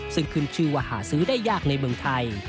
ซึ่งขึ้นชื่อว่าหาซื้อได้ยากในเมืองไทย